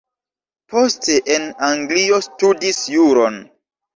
Poste en Anglio studis juron.